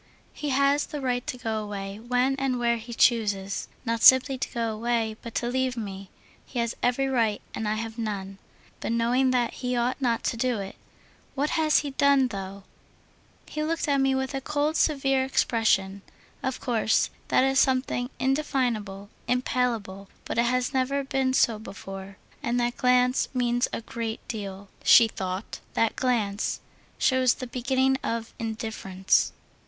"He has the right to go away when and where he chooses. Not simply to go away, but to leave me. He has every right, and I have none. But knowing that, he ought not to do it. What has he done, though?... He looked at me with a cold, severe expression. Of course that is something indefinable, impalpable, but it has never been so before, and that glance means a great deal," she thought. "That glance shows the beginning of indifference."